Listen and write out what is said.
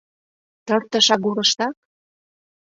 — Тыртыш агурыштак?